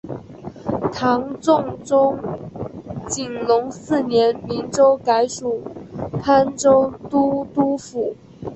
唐中宗景龙四年明州改属播州都督府。